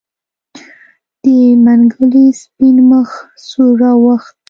د منګلي سپين مخ سور واوښت.